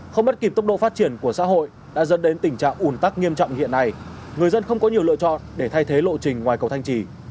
không bắt kịp tốc độ phát triển của xã hội đã dẫn đến tình trạng ủn tắc nghiêm trọng hiện nay người dân không có nhiều lựa chọn để thay thế lộ trình ngoài cầu thanh trì